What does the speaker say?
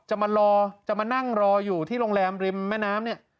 มารอจะมานั่งรออยู่ที่โรงแรมริมแม่น้ำเนี่ย